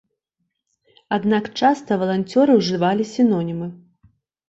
Аднак часта валанцёры ўжывалі сінонімы.